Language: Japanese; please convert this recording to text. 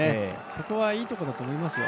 そこはいいところだと思いますよ。